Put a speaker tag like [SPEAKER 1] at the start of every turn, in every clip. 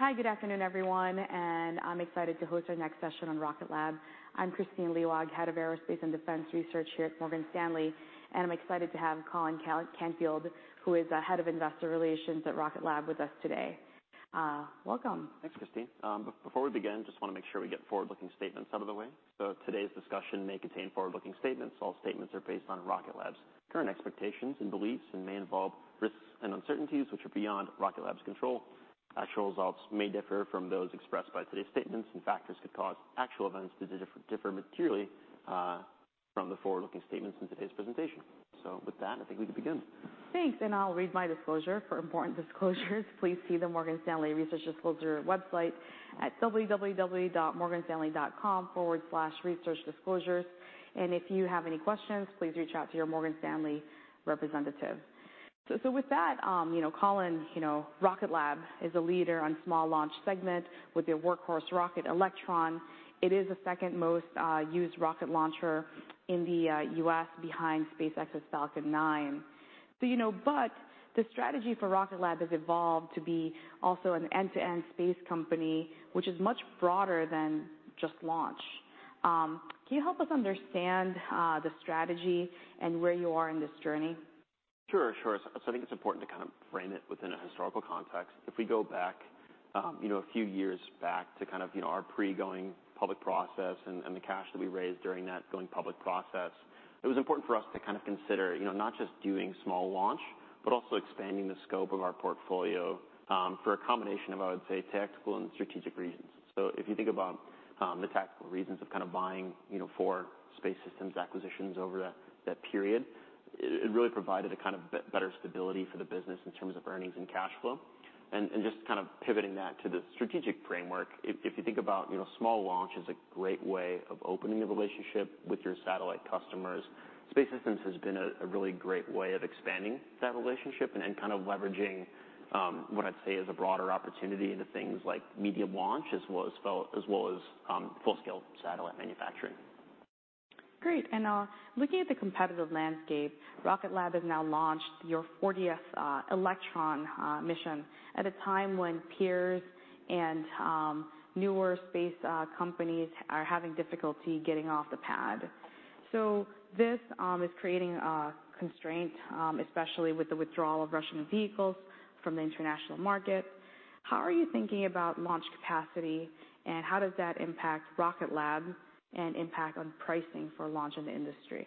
[SPEAKER 1] Hi, good afternoon, everyone, and I'm excited to host our next session on Rocket Lab. I'm Kristine Liwag, Head of Aerospace and Defense Research here at Morgan Stanley, and I'm excited to have Colin Canfield, who is the Head of Investor Relations at Rocket Lab, with us today. Welcome.
[SPEAKER 2] Thanks, Kristine. Before we begin, just wanna make sure we get forward-looking statements out of the way. So today's discussion may contain forward-looking statements. All statements are based on Rocket Lab's current expectations and beliefs and may involve risks and uncertainties, which are beyond Rocket Lab's control. Actual results may differ from those expressed by today's statements, and factors could cause actual events to differ materially from the forward-looking statements in today's presentation. So with that, I think we can begin.
[SPEAKER 1] Thanks, and I'll read my disclosure. For important disclosures, please see the Morgan Stanley Research Disclosure website at www.morganstanley.com/researchdisclosures. And if you have any questions, please reach out to your Morgan Stanley representative. So with that, you know, Colin, you know, Rocket Lab is a leader on small launch segment with their workhorse rocket, Electron. It is the second-most used rocket launcher in the U.S. behind SpaceX's Falcon 9. So, you know, but the strategy for Rocket Lab has evolved to be also an end-to-end space company, which is much broader than just launch. Can you help us understand the strategy and where you are in this journey?
[SPEAKER 2] Sure, sure. So I think it's important to kind of frame it within a historical context. If we go back, you know, a few years back to kind of, you know, our pre-going public process and the cash that we raised during that going public process, it was important for us to kind of consider, you know, not just doing small launch, but also expanding the scope of our portfolio, for a combination of, I would say, tactical and strategic reasons. So if you think about the tactical reasons of kind of buying, you know, four space systems acquisitions over that period, it really provided a kind of better stability for the business in terms of earnings and cash flow. Just kind of pivoting that to the strategic framework, if you think about, you know, small launch is a great way of opening a relationship with your satellite customers. Space Systems has been a really great way of expanding that relationship and kind of leveraging what I'd say is a broader opportunity into things like medium launch, as well as full-scale satellite manufacturing.
[SPEAKER 1] Great. And, looking at the competitive landscape, Rocket Lab has now launched your 40th Electron mission at a time when peers and newer space companies are having difficulty getting off the pad. So this is creating a constraint, especially with the withdrawal of Russian vehicles from the international market. How are you thinking about launch capacity, and how does that impact Rocket Lab and impact on pricing for launch in the industry?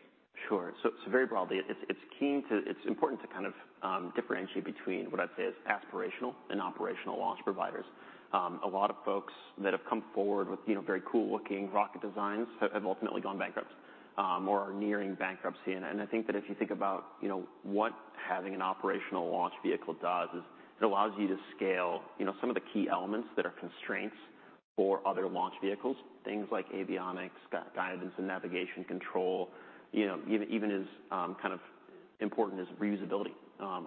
[SPEAKER 2] Sure. So very broadly, it's important to kind of differentiate between what I'd say is aspirational and operational launch providers. A lot of folks that have come forward with, you know, very cool-looking rocket designs have ultimately gone bankrupt or are nearing bankruptcy. And I think that if you think about, you know, what having an operational launch vehicle does, is it allows you to scale, you know, some of the key elements that are constraints for other launch vehicles, things like avionics, guidance and navigation control, you know, even as kind of important as reusability on,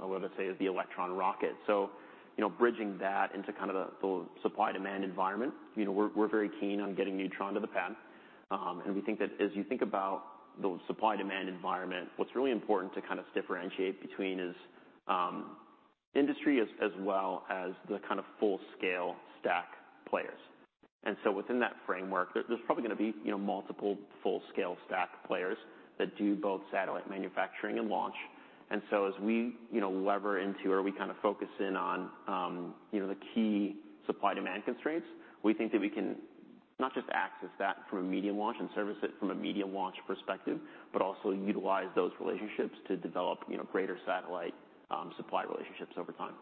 [SPEAKER 2] I would say, as the Electron rocket. So, you know, bridging that into kind of the supply-demand environment, you know, we're very keen on getting Neutron to the pad. And we think that as you think about the supply-demand environment, what's really important to kind of differentiate between is industry as well as the kind of full-scale stack players. And so within that framework, there's probably gonna be, you know, multiple full-scale stack players that do both satellite manufacturing and launch. And so as we, you know, lever into, or we kind of focus in on, you know, the key supply-demand constraints, we think that we can not just access that from a medium launch and service it from a medium launch perspective, but also utilize those relationships to develop, you know, greater satellite supply relationships over time.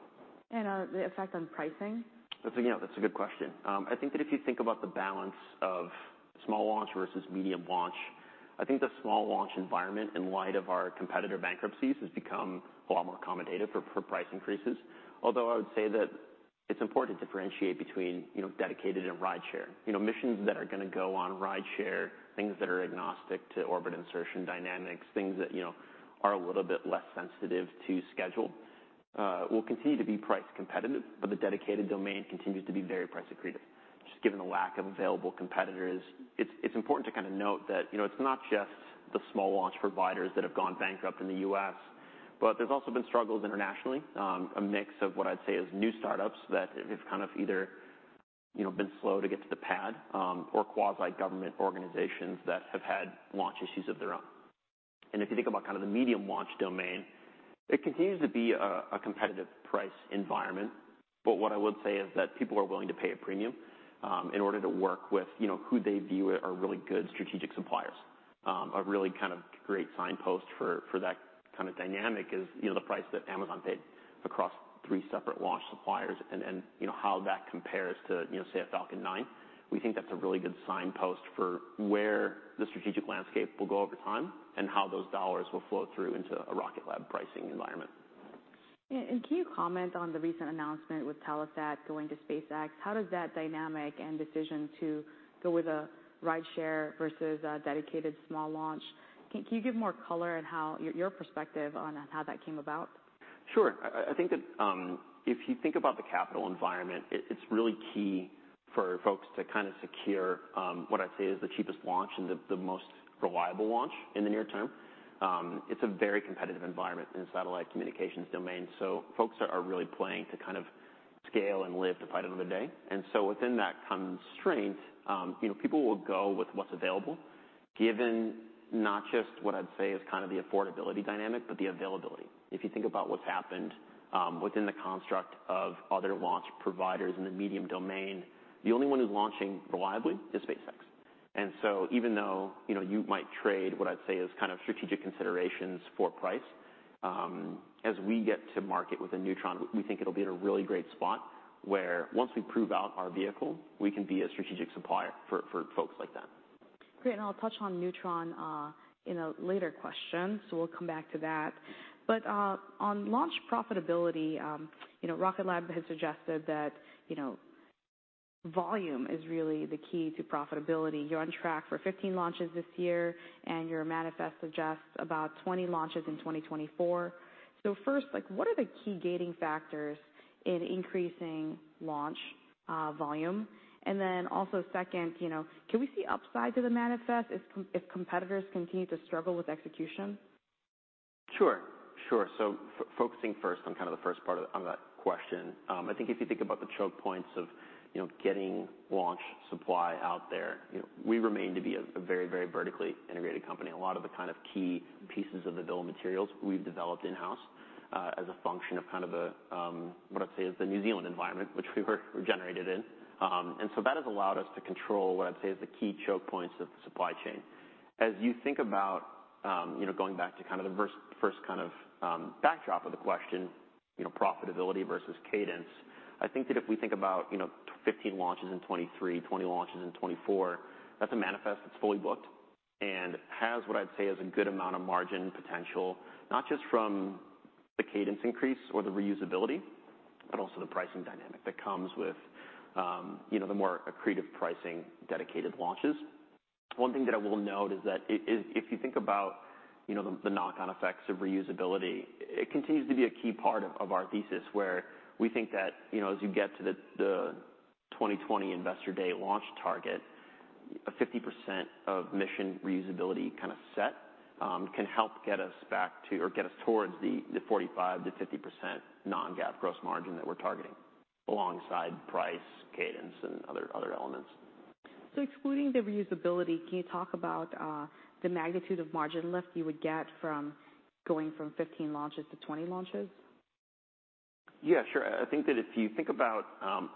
[SPEAKER 1] The effect on pricing?
[SPEAKER 2] That's, you know, that's a good question. I think that if you think about the balance of small launch versus medium launch, I think the small launch environment, in light of our competitor bankruptcies, has become a lot more accommodative for, for price increases. Although, I would say that it's important to differentiate between, you know, dedicated and rideshare. You know, missions that are gonna go on rideshare, things that are agnostic to orbit insertion dynamics, things that, you know, are a little bit less sensitive to schedule, will continue to be price competitive, but the dedicated domain continues to be very price accretive, just given the lack of available competitors. It's, it's important to kind of note that, you know, it's not just the small launch providers that have gone bankrupt in the U.S., but there's also been struggles internationally. A mix of what I'd say is new startups that have kind of either, you know, been slow to get to the pad, or quasi-government organizations that have had launch issues of their own. And if you think about kind of the medium launch domain, it continues to be a competitive price environment. But what I would say is that people are willing to pay a premium, in order to work with, you know, who they view are really good strategic suppliers. A really kind of great signpost for that kind of dynamic is, you know, the price that Amazon paid across three separate launch suppliers and, you know, how that compares to, you know, say, a Falcon 9. We think that's a really good signpost for where the strategic landscape will go over time, and how those dollars will flow through into a Rocket Lab pricing environment.
[SPEAKER 1] Yeah, and can you comment on the recent announcement with Telesat going to SpaceX? How does that dynamic and decision to go with a rideshare versus a dedicated small launch... Can you give more color on how your perspective on how that came about?
[SPEAKER 2] Sure. I think that, if you think about the capital environment, it's really key for folks to kind of secure, what I'd say is the cheapest launch and the most reliable launch in the near term. It's a very competitive environment in the satellite communications domain, so folks are really playing to kind of scale and live to fight another day. And so within that constraint, you know, people will go with what's available, given not just what I'd say is kind of the affordability dynamic, but the availability. If you think about what's happened, within the construct of other launch providers in the medium domain, the only one who's launching reliably is SpaceX. And so even though, you know, you might trade what I'd say is kind of strategic considerations for price, as we get to market with a Neutron, we think it'll be in a really great spot, where once we prove out our vehicle, we can be a strategic supplier for, for folks like that.
[SPEAKER 1] Great, and I'll touch on Neutron in a later question, so we'll come back to that. But on launch profitability, you know, Rocket Lab has suggested that, you know, volume is really the key to profitability. You're on track for 15 launches this year, and your manifest suggests about 20 launches in 2024. So first, like, what are the key gating factors in increasing launch volume? And then also second, you know, can we see upside to the manifest if competitors continue to struggle with execution?
[SPEAKER 2] Sure, sure. So focusing first on kind of the first part of, on that question, I think if you think about the choke points of, you know, getting launch supply out there, you know, we remain to be a, a very, very vertically integrated company. A lot of the kind of key pieces of the bill of materials we've developed in-house, as a function of kind of a, what I'd say is the New Zealand environment, which we were generated in. And so that has allowed us to control what I'd say is the key choke points of the supply chain. As you think about, you know, going back to kind of the first, first kind of, backdrop of the question, you know, profitability versus cadence, I think that if we think about, you know, 15 launches in 2023, 20 launches in 2024, that's a manifest that's fully booked and has what I'd say is a good amount of margin potential, not just from the cadence increase or the reusability, but also the pricing dynamic that comes with, you know, the more accretive pricing dedicated launches. One thing that I will note is that if, if you think about, you know, the knock-on effects of reusability, it continues to be a key part of our thesis, where we think that, you know, as you get to the 2020 investor day launch target, a 50% of mission reusability kind of set can help get us back to, or get us towards the 45% to 50% Non-GAAP gross margin that we're targeting, alongside price, cadence, and other elements.
[SPEAKER 1] So excluding the reusability, can you talk about the magnitude of margin lift you would get from going from 15 launches to 20 launches?
[SPEAKER 2] Yeah, sure. I think that if you think about,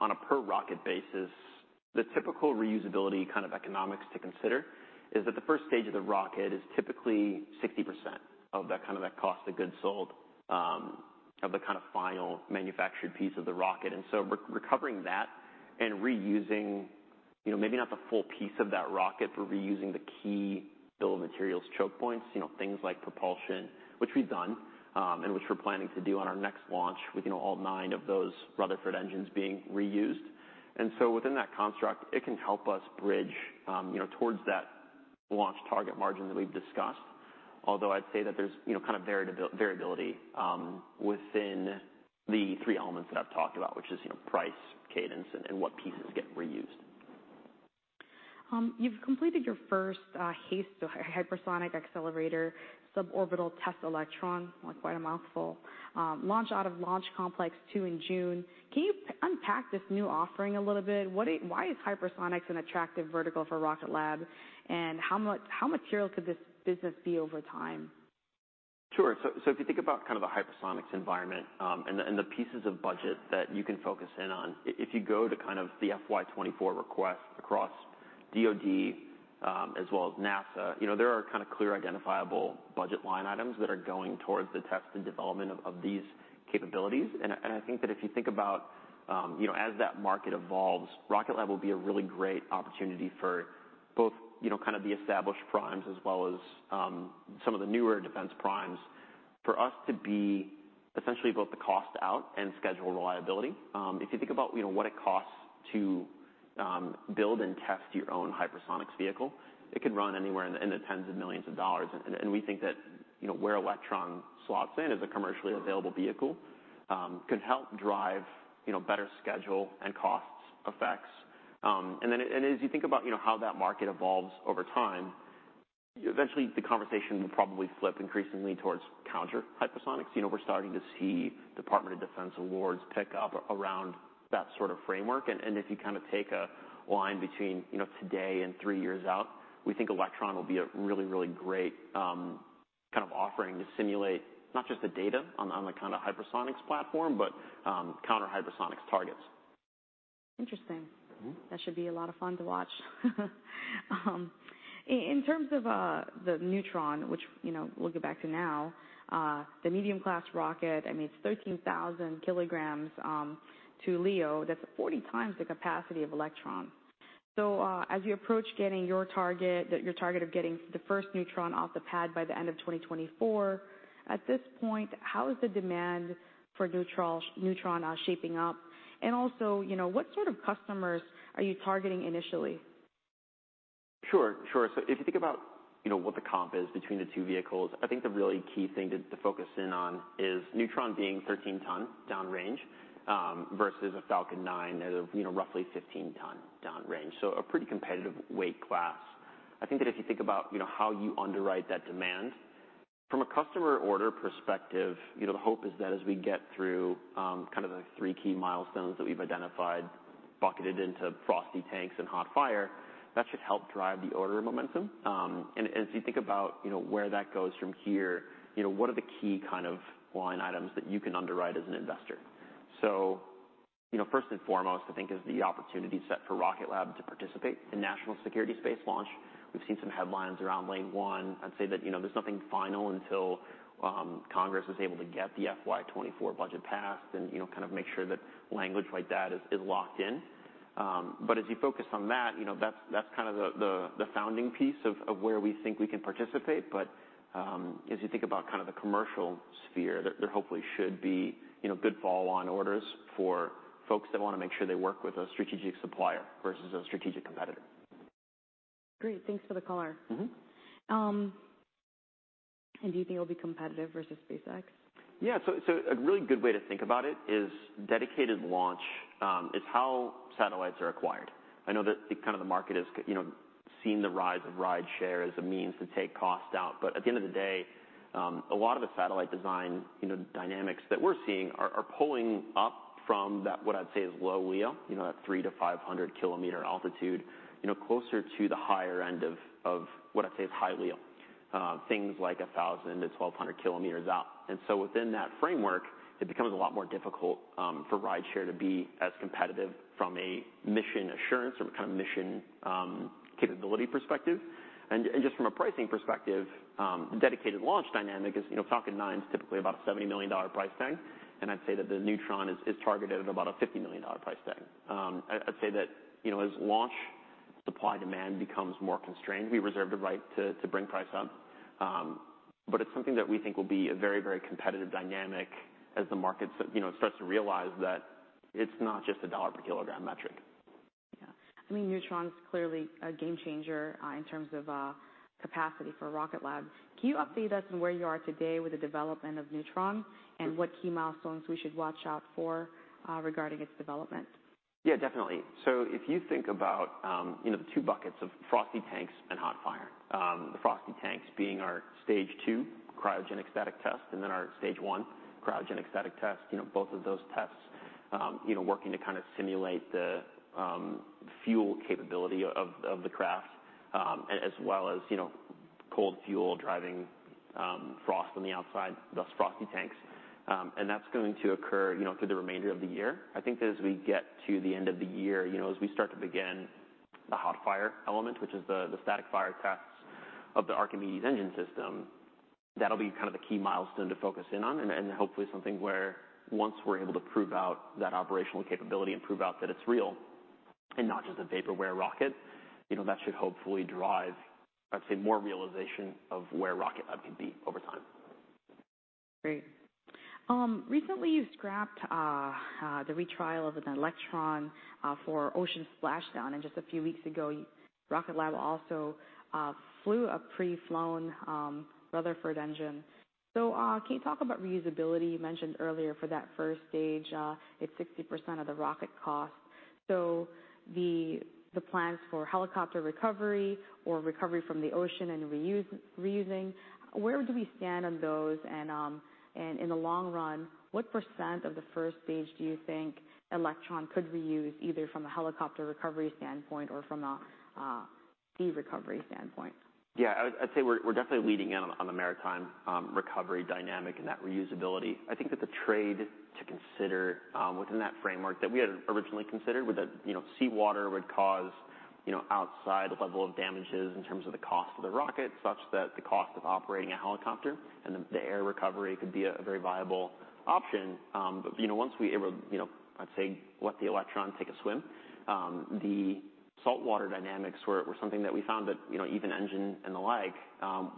[SPEAKER 2] on a per rocket basis, the typical reusability kind of economics to consider is that the first stage of the rocket is typically 60% of that, kind of that cost of goods sold, of the kind of final manufactured piece of the rocket. And so recovering that and reusing, you know, maybe not the full piece of that rocket, but reusing the key bill of materials choke points, you know, things like propulsion, which we've done, and which we're planning to do on our next launch with, you know, all nine of those Rutherford engines being reused. And so within that construct, it can help us bridge, you know, towards that launch target margin that we've discussed. Although I'd say that there's, you know, kind of variability within the three elements that I've talked about, which is, you know, price, cadence, and what pieces get reused.
[SPEAKER 1] You've completed your first HASTE, Hypersonic Accelerator Suborbital Test Electron, quite a mouthful, launch out of Launch Complex Two in June. Can you unpack this new offering a little bit? What is... Why is hypersonics an attractive vertical for Rocket Lab? And how much, how material could this business be over time?
[SPEAKER 2] Sure. So if you think about kind of the hypersonics environment, and the pieces of budget that you can focus in on, if you go to kind of the FY 2024 request across DoD, as well as NASA, you know, there are kind of clear, identifiable budget line items that are going towards the test and development of these capabilities. I think that if you think about, you know, as that market evolves, Rocket Lab will be a really great opportunity for both, you know, kind of the established primes as well as some of the newer defense primes. For us to be essentially both the cost out and schedule reliability, if you think about, you know, what it costs to build and test your own hypersonic vehicle, it could run anywhere in the $10s of millions. And we think that, you know, where Electron slots in as a commercially available vehicle, could help drive, you know, better schedule and costs effects. And as you think about, you know, how that market evolves over time, eventually the conversation will probably flip increasingly towards counter hypersonics. You know, we're starting to see Department of Defense awards pick up around that sort of framework. If you kind of take a line between, you know, today and three years out, we think Electron will be a really, really great kind of offering to simulate not just the data on the kind of hypersonics platform, but counter hypersonics targets.
[SPEAKER 1] Interesting.
[SPEAKER 2] Mm-hmm.
[SPEAKER 1] That should be a lot of fun to watch. In terms of the Neutron, which, you know, we'll get back to now, the medium-class rocket, I mean, it's 13,000 kilograms to LEO. That's 40 times the capacity of Electron. So, as you approach getting your target, your target of getting the first Neutron off the pad by the end of 2024, at this point, how is the demand for Neutron shaping up? And also, you know, what sort of customers are you targeting initially?
[SPEAKER 2] Sure, sure. So if you think about, you know, what the comp is between the two vehicles, I think the really key thing to focus in on is Neutron being 13-ton downrange versus a Falcon 9 at a, you know, roughly 15-ton downrange, so a pretty competitive weight class. I think that if you think about, you know, how you underwrite that demand. From a customer order perspective, you know, the hope is that as we get through kind of the 3 key milestones that we've identified, bucketed into frosty tanks and hot fire, that should help drive the order momentum. And as you think about, you know, where that goes from here, you know, what are the key kind of line items that you can underwrite as an investor? So, you know, first and foremost, I think is the opportunity set for Rocket Lab to participate in national security space launch. We've seen some headlines around Lane 1. I'd say that, you know, there's nothing final until Congress is able to get the FY 2024 budget passed and, you know, kind of make sure that language like that is locked in. But as you think about kind of the commercial sphere, there hopefully should be, you know, good follow-on orders for folks that wanna make sure they work with a strategic supplier versus a strategic competitor.
[SPEAKER 1] Great, thanks for the color.
[SPEAKER 2] Mm-hmm.
[SPEAKER 1] Do you think it'll be competitive versus SpaceX?
[SPEAKER 2] Yeah. So a really good way to think about it is Dedicated Launch is how satellites are acquired. I know that the, kind of the market has, you know, seen the rise of Rideshare as a means to take cost out, but at the end of the day, a lot of the satellite design, you know, dynamics that we're seeing are pulling up from that, what I'd say is low LEO, you know, at 300 to 500 km altitude, you know, closer to the higher end of what I'd say is high LEO. Things like 1,000-1,200 km out. And so within that framework, it becomes a lot more difficult for Rideshare to be as competitive from a mission assurance or kind of mission capability perspective. Just from a pricing perspective, the dedicated launch dynamic is, you know, Falcon 9 is typically about a $70 million price tag, and I'd say that the Neutron is targeted at about a $50 million price tag. I'd say that, you know, as launch supply-demand becomes more constrained, we reserve the right to bring price up. But it's something that we think will be a very, very competitive dynamic as the markets, you know, starts to realize that it's not just a dollar per kilogram metric.
[SPEAKER 1] Yeah. I mean, Neutron's clearly a game changer, in terms of, capacity for Rocket Lab. Can you update us on where you are today with the development of Neutron, and what key milestones we should watch out for, regarding its development?
[SPEAKER 2] Yeah, definitely. So if you think about, you know, the two buckets of frosty tanks and hot fire, the frosty tanks being our stage two cryogenic static test, and then our stage one cryogenic static test. You know, both of those tests, you know, working to kind of simulate the fuel capability of the craft, as well as, you know, cold fuel driving frost on the outside, thus frosty tanks. And that's going to occur, you know, through the remainder of the year. I think that as we get to the end of the year, you know, as we start to begin the hot fire element, which is the static fire tests of the Archimedes engine system, that'll be kind of the key milestone to focus in on, and hopefully something where once we're able to prove out that operational capability and prove out that it's real and not just a vaporware rocket, you know, that should hopefully drive, I'd say, more realization of where Rocket Lab can be over time.
[SPEAKER 1] Great. Recently, you scrapped the retrieval of an Electron for ocean splashdown, and just a few weeks ago, Rocket Lab also flew a pre-flown Rutherford engine. So, can you talk about reusability? You mentioned earlier for that first stage, it's 60% of the rocket cost. So the plans for helicopter recovery or recovery from the ocean and reusing, where do we stand on those? And in the long run, what % of the first stage do you think Electron could reuse, either from a helicopter recovery standpoint or from a sea recovery standpoint?
[SPEAKER 2] Yeah. I'd say we're definitely leading in on the maritime recovery dynamic and that reusability. I think that the trade to consider within that framework that we had originally considered was that, you know, seawater would cause, you know, outside level of damages in terms of the cost of the rocket, such that the cost of operating a helicopter and the air recovery could be a very viable option. But, you know, once we were able, you know, I'd say, let the Electron take a swim, the saltwater dynamics were something that we found that, you know, even engine and the like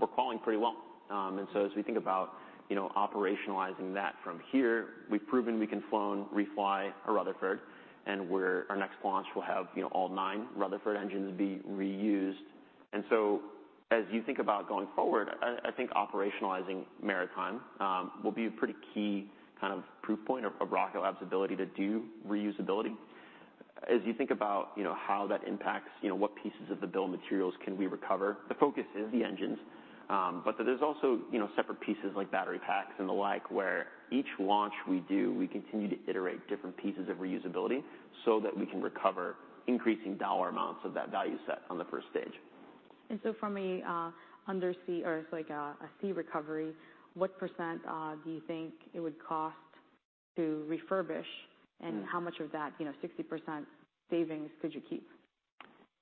[SPEAKER 2] were crawling pretty well. And so as we think about, you know, operationalizing that from here, we've proven we can fly on, refly a Rutherford, and our next launch will have, you know, all 9 Rutherford engines be reused. And so as you think about going forward, I think operationalizing maritime will be a pretty key kind of proof point of Rocket Lab's ability to do reusability. As you think about, you know, how that impacts, you know, what pieces of the bill of materials can we recover? The focus is the engines, but there's also, you know, separate pieces like battery packs and the like, where each launch we do, we continue to iterate different pieces of reusability so that we can recover increasing dollar amounts of that value set on the first stage.
[SPEAKER 1] And so from an undersea or it's like a sea recovery, what % do you think it would cost to refurbish?
[SPEAKER 2] Mm.
[SPEAKER 1] How much of that, you know, 60% savings could you keep?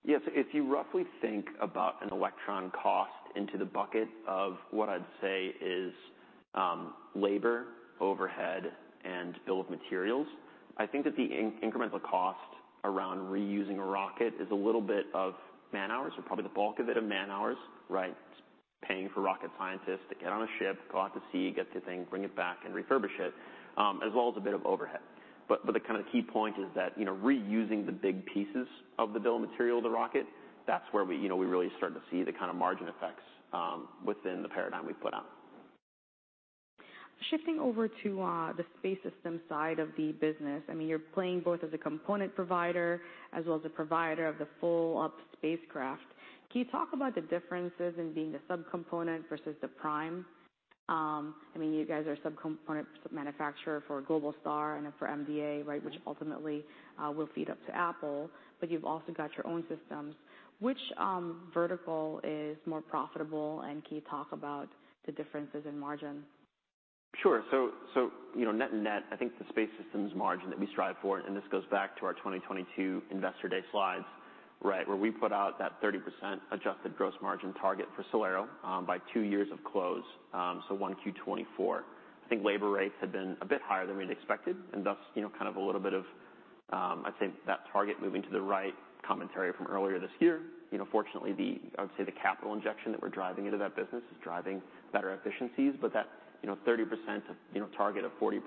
[SPEAKER 2] Yeah. So if you roughly think about an Electron cost into the bucket of what I'd say is labor, overhead, and bill of materials, I think that the incremental cost around reusing a rocket is a little bit of man-hours, or probably the bulk of it are man-hours, right? Paying for rocket scientists to get on a ship, go out to sea, get the thing, bring it back, and refurbish it, as well as a bit of overhead. But the kind of key point is that, you know, reusing the big pieces of the bill of material of the rocket, that's where we, you know, we really start to see the kind of margin effects within the paradigm we've put out....
[SPEAKER 1] Shifting over to the space system side of the business, I mean, you're playing both as a component provider as well as a provider of the full up spacecraft. Can you talk about the differences in being the sub-component versus the prime? I mean, you guys are a sub-component manufacturer for Globalstar and then for MDA, right? Which ultimately will feed up to Apple, but you've also got your own systems. Which vertical is more profitable, and can you talk about the differences in margin?
[SPEAKER 2] Sure. So, so, you know, net-net, I think the space systems margin that we strive for, and this goes back to our 2022 Investor Day slides, right, where we put out that 30% adjusted gross margin target for SolAero, by two years of close, so 1Q2024. I think labor rates have been a bit higher than we'd expected, and thus, you know, kind of a little bit of, I'd say that target moving to the right, commentary from earlier this year. You know, fortunately, the, I would say, the capital injection that we're driving into that business is driving better efficiencies, but that, you know, 30%, you know, target of 40%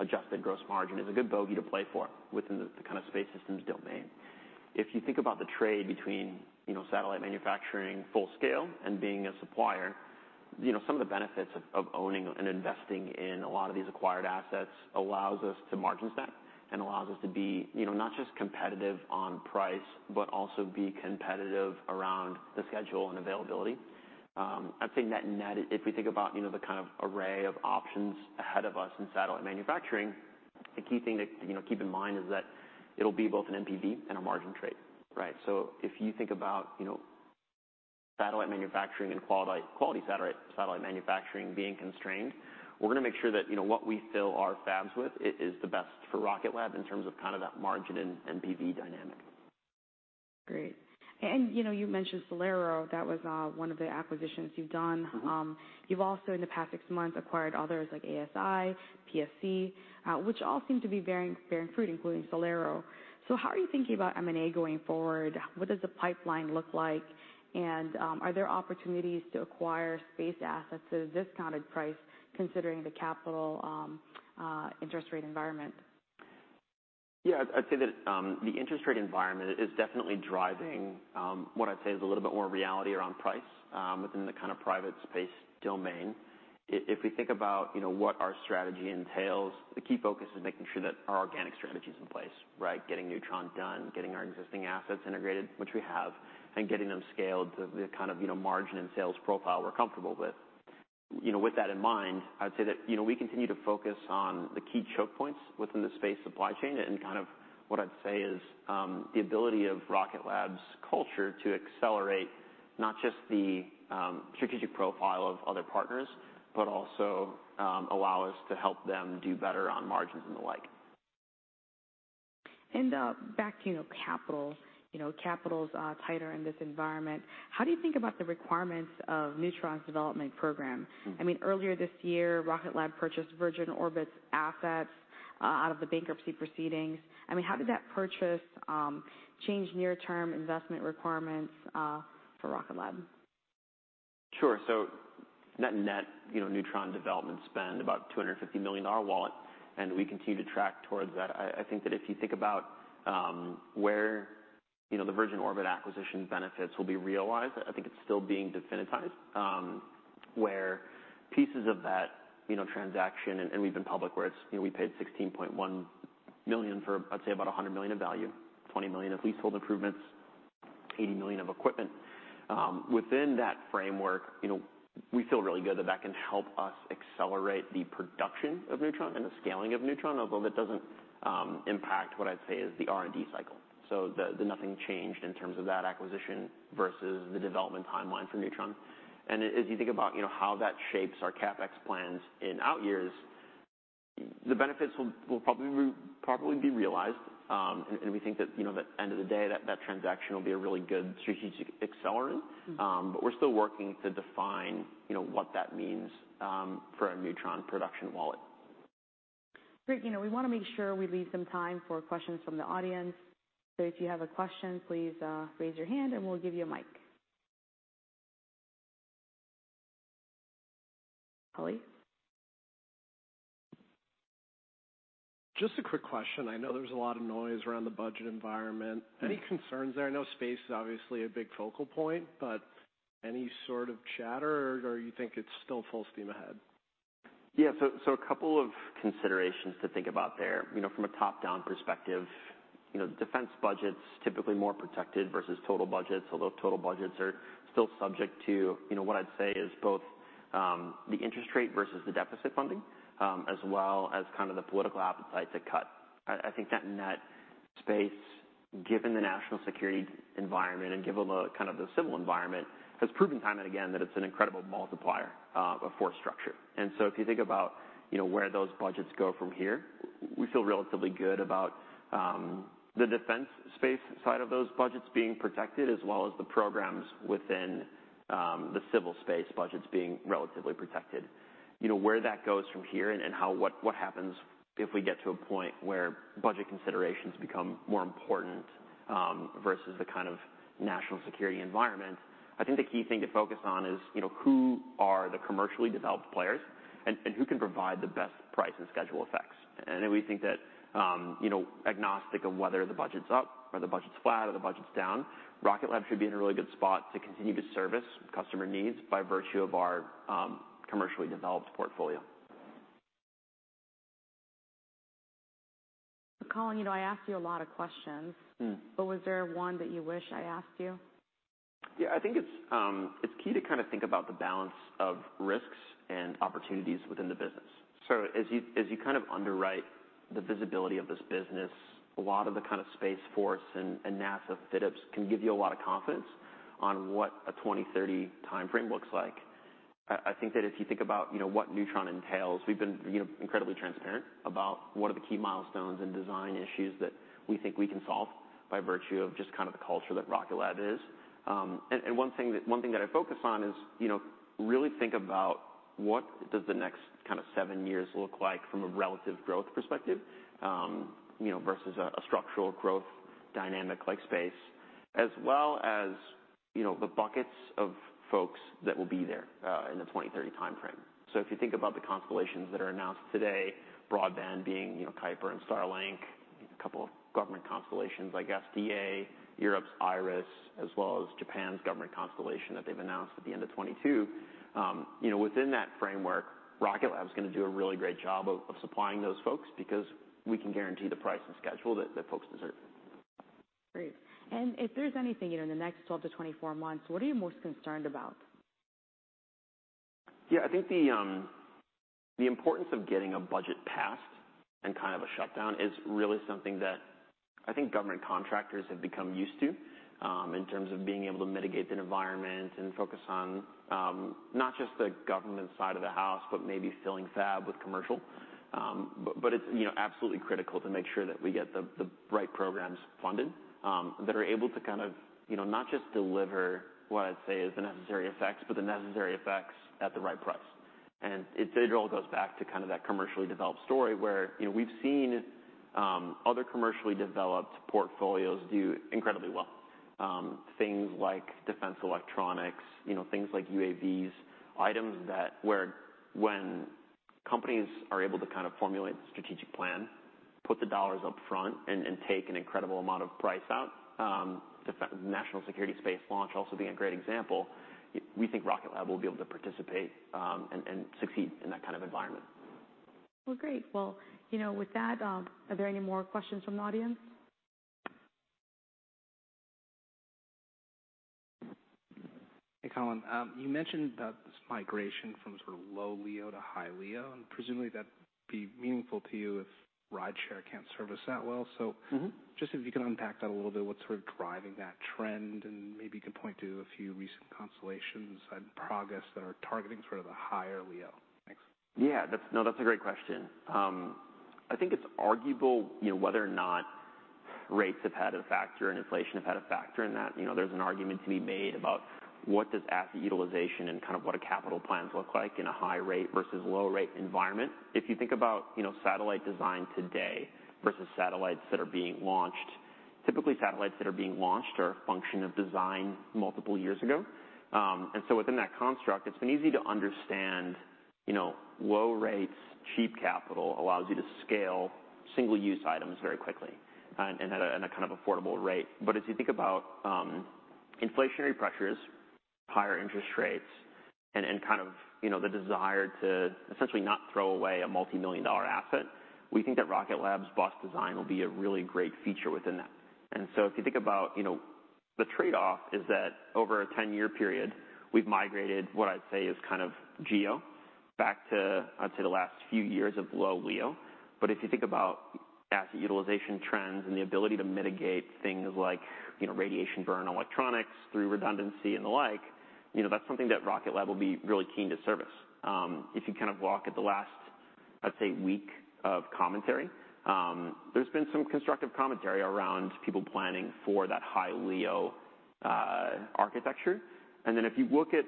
[SPEAKER 2] adjusted gross margin is a good bogey to play for within the, the kind of space systems domain. If you think about the trade between, you know, satellite manufacturing full scale and being a supplier, you know, some of the benefits of owning and investing in a lot of these acquired assets allows us to margin set, and allows us to be, you know, not just competitive on price, but also be competitive around the schedule and availability. I'd say net-net, if we think about, you know, the kind of array of options ahead of us in satellite manufacturing, the key thing to, you know, keep in mind is that it'll be both an NPV and a margin trade, right? So if you think about, you know, satellite manufacturing and quality, quality satellite, satellite manufacturing being constrained, we're gonna make sure that, you know, what we fill our fabs with is the best for Rocket Lab in terms of kind of that margin and NPV dynamic.
[SPEAKER 1] Great. And, you know, you mentioned SolAero. That was one of the acquisitions you've done.
[SPEAKER 2] Mm-hmm.
[SPEAKER 1] You've also, in the past six months, acquired others like ASI, PSC, which all seem to be bearing fruit, including SolAero. So how are you thinking about M&A going forward? What does the pipeline look like, and are there opportunities to acquire space assets at a discounted price, considering the capital interest rate environment?
[SPEAKER 2] Yeah, I'd, I'd say that the interest rate environment is definitely driving what I'd say is a little bit more reality around price within the kind of private space domain. If we think about, you know, what our strategy entails, the key focus is making sure that our organic strategy is in place, right? Getting Neutron done, getting our existing assets integrated, which we have, and getting them scaled to the kind of, you know, margin and sales profile we're comfortable with. You know, with that in mind, I'd say that, you know, we continue to focus on the key choke points within the space supply chain, and kind of what I'd say is, the ability of Rocket Lab's culture to accelerate not just the, strategic profile of other partners, but also, allow us to help them do better on margins and the like.
[SPEAKER 1] Back to, you know, capital. You know, capital's tighter in this environment. How do you think about the requirements of Neutron's development program?
[SPEAKER 2] Mm.
[SPEAKER 1] I mean, earlier this year, Rocket Lab purchased Virgin Orbit's assets out of the bankruptcy proceedings. I mean, how did that purchase change near-term investment requirements for Rocket Lab?
[SPEAKER 2] Sure. So net-net, you know, Neutron development spend about $250 million-dollar wallet, and we continue to track towards that. I think that if you think about, where, you know, the Virgin Orbit acquisition benefits will be realized, I think it's still being definitized. Where pieces of that, you know, transaction, and we've been public where it's... You know, we paid $16.1 million for, I'd say, about $100 million in value, $20 million of leasehold improvements, $80 million of equipment. Within that framework, you know, we feel really good that that can help us accelerate the production of Neutron and the scaling of Neutron, although that doesn't impact what I'd say is the R&D cycle. So nothing changed in terms of that acquisition versus the development timeline for Neutron. And if you think about, you know, how that shapes our CapEx plans in out years, the benefits will probably be realized. And we think that, you know, the end of the day, that transaction will be a really good strategic accelerant. But we're still working to define, you know, what that means for our Neutron production wallet.
[SPEAKER 1] Great. You know, we wanna make sure we leave some time for questions from the audience. So if you have a question, please, raise your hand, and we'll give you a mic. Holly?
[SPEAKER 3] Just a quick question. I know there's a lot of noise around the budget environment.
[SPEAKER 2] Mm.
[SPEAKER 3] Any concerns there? I know space is obviously a big focal point, but any sort of chatter, or you think it's still full steam ahead?
[SPEAKER 2] Yeah, so a couple of considerations to think about there. You know, from a top-down perspective, you know, defense budgets typically more protected versus total budgets, although total budgets are still subject to, you know, what I'd say is both, the interest rate versus the deficit funding, as well as kind of the political appetite to cut. I think net-net space, given the national security environment and given the kind of civil environment, has proven time and again that it's an incredible multiplier of force structure. And so if you think about, you know, where those budgets go from here, we feel relatively good about the defense space side of those budgets being protected, as well as the programs within the civil space budgets being relatively protected. You know, where that goes from here and how what happens if we get to a point where budget considerations become more important versus the kind of national security environment. I think the key thing to focus on is, you know, who are the commercially developed players, and who can provide the best price and schedule effects. And then we think that, you know, agnostic of whether the budget's up or the budget's flat or the budget's down, Rocket Lab should be in a really good spot to continue to service customer needs by virtue of our commercially developed portfolio.
[SPEAKER 1] Colin, you know, I asked you a lot of questions.
[SPEAKER 2] Mm.
[SPEAKER 1] But was there one that you wish I asked you?
[SPEAKER 2] Yeah, I think it's key to kind of think about the balance of risks and opportunities within the business. So as you kind of underwrite the visibility of this business, a lot of the kind of Space Force and NASA FYDPs can give you a lot of confidence on what a 2030 timeframe looks like. I think that if you think about, you know, what Neutron entails, we've been, you know, incredibly transparent about what are the key milestones and design issues that we think we can solve by virtue of just kind of the culture that Rocket Lab is. One thing that I focus on is, you know, really think about what does the next kind of seven years look like from a relative growth perspective, you know, versus a structural growth dynamic like space, as well as, you know, the buckets of folks that will be there in the 2030 timeframe. So if you think about the constellations that are announced today, broadband being, you know, Kuiper and Starlink, a couple of government constellations like SDA, Europe's IRIS, as well as Japan's government constellation that they've announced at the end of 2022. You know, within that framework, Rocket Lab's gonna do a really great job of supplying those folks because we can guarantee the price and schedule that folks deserve.
[SPEAKER 1] Great. And if there's anything in the next 12 to 24 months, what are you most concerned about?
[SPEAKER 2] Yeah, I think the importance of getting a budget passed and kind of a shutdown is really something that I think government contractors have become used to in terms of being able to mitigate the environment and focus on not just the government side of the house, but maybe filling fab with commercial. But it's, you know, absolutely critical to make sure that we get the right programs funded that are able to kind of, you know, not just deliver what I'd say is the necessary effects, but the necessary effects at the right price. And it all goes back to kind of that commercially developed story where, you know, we've seen other commercially developed portfolios do incredibly well. Things like defense electronics, you know, things like UAVs, items that, where, when companies are able to kind of formulate the strategic plan, put the dollars up front, and take an incredible amount of price out. Defense National Security Space Launch also being a great example. We think Rocket Lab will be able to participate and succeed in that kind of environment.
[SPEAKER 1] Well, great. Well, you know, with that, are there any more questions from the audience?
[SPEAKER 4] Hey, Colin, you mentioned about this migration from sort of low LEO to high LEO, and presumably that'd be meaningful to you if rideshare can't service that well.
[SPEAKER 2] Mm-hmm.
[SPEAKER 4] So just if you can unpack that a little bit, what's sort of driving that trend? And maybe you can point to a few recent constellations and progress that are targeting sort of the higher LEO. Thanks.
[SPEAKER 2] Yeah, that's... No, that's a great question. I think it's arguable, you know, whether or not rates have had a factor and inflation have had a factor in that. You know, there's an argument to be made about what does asset utilization and kind of what do capital plans look like in a high-rate versus low-rate environment? If you think about, you know, satellite design today versus satellites that are being launched, typically satellites that are being launched are a function of design multiple years ago. And so within that construct, it's been easy to understand, you know, low rates, cheap capital allows you to scale single-use items very quickly and at a kind of affordable rate. But as you think about, inflationary pressures, higher interest rates, and kind of, you know, the desire to essentially not throw away a multimillion-dollar asset, we think that Rocket Lab's bus design will be a really great feature within that. And so if you think about, you know, the trade-off is that over a 10-year period, we've migrated what I'd say is kind of GEO back to, I'd say, the last few years of low LEO. But if you think about asset utilization trends and the ability to mitigate things like, you know, radiation burn on electronics through redundancy and the like, you know, that's something that Rocket Lab will be really keen to service. If you kind of look at the last, I'd say, week of commentary, there's been some constructive commentary around people planning for that high LEO architecture. And then if you look at,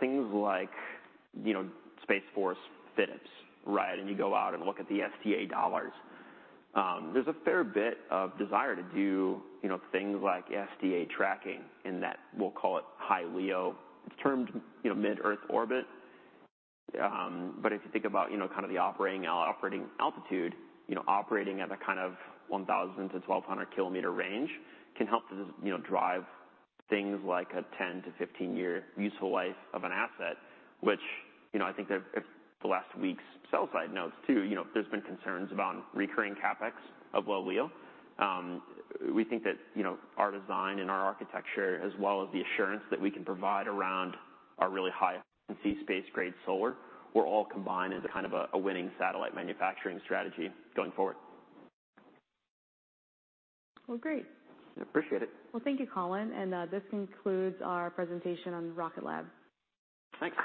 [SPEAKER 2] things like, you know, Space Force FYDPs, right, and you go out and look at the SDA dollars, there's a fair bit of desire to do, you know, things like SDA tracking in that, we'll call it, high LEO. It's termed, you know, mid-Earth orbit. But if you think about, you know, kind of the operating altitude, you know, operating at a kind of 1,000 to 1,200 kilometer range can help to, you know, drive things like a 10-15-year useful life of an asset, which, you know, I think the last week's sell-side notes, too, you know, there's been concerns about recurring CapEx of low LEO. We think that, you know, our design and our architecture, as well as the assurance that we can provide around our really high efficiency space-grade solar, will all combine into kind of a winning satellite manufacturing strategy going forward.
[SPEAKER 1] Well, great.
[SPEAKER 2] Appreciate it.
[SPEAKER 1] Well, thank you, Colin, and this concludes our presentation on Rocket Lab.
[SPEAKER 2] Thanks.